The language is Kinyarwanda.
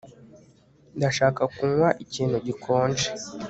ndashaka kunywa ikintu gikonje